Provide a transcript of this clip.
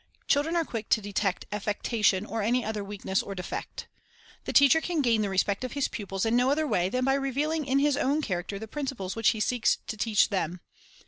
Children are quick to detect affectation or any other weakness or defect. The teacher can gain the respect of his pupils in no other way than by revealing in his own character the principles which he seeks to teach them.